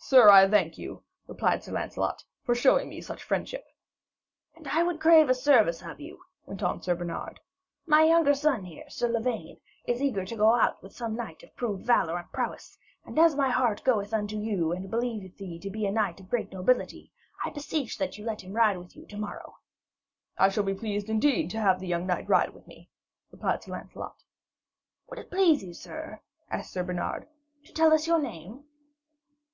'Sir, I thank you,' replied Sir Lancelot, 'for showing me such friendship.' 'And I would crave a service of you,' went on Sir Bernard. 'My younger son here, Sir Lavaine, is eager to go out with some knight of proved valour and prowess; and as my heart goeth unto you, and believeth ye to be a knight of great nobility, I beseech you that you let him ride with you to morrow.' 'I shall be pleased, indeed, to have the young knight to ride with me,' replied Sir Lancelot. 'Would it please you, sir,' asked Sir Bernard, 'to tell us your name?'